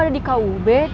apa ada di kub